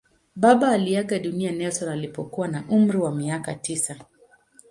Baba aliaga dunia Nelson alipokuwa na umri wa miaka tisa.